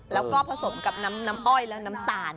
แล้วก็ผสมกับน้ำอ้อยและน้ำตาล